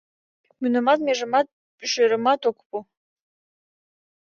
Мунымат, межымат, шӧрымат ок пу.